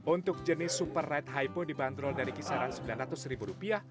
untuk jenis super red hypo dibanderol dari kisaran sembilan ratus ribu rupiah